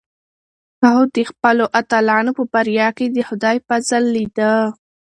هغه د خپلو اتلانو په بریا کې د خدای فضل لیده.